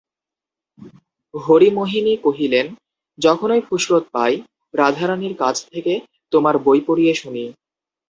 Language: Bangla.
হরিমোহিনী কহিলেন, যখনই ফুরসত পাই রাধারানীর কাছ থেকে তোমার বই পড়িয়ে শুনি।